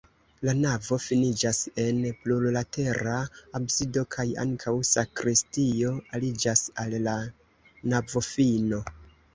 La navo finiĝas en plurlatera absido kaj ankaŭ sakristio aliĝas al la navofino.